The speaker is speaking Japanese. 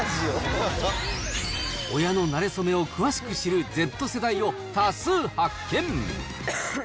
親のなれ初めを詳しく知るＺ世代を多数発見。